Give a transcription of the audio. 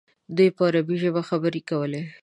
ده په عربي ژبه خبرې کولې.